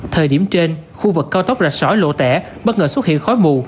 thời điểm trên khu vực cao tốc rạch sỏi lộ tẻ bất ngờ xuất hiện khói mù